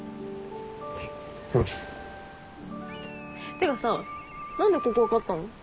てかさ何でここ分かったの？